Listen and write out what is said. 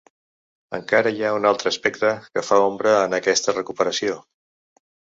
Encara hi ha un altre aspecte que fa ombra en aquesta recuperació.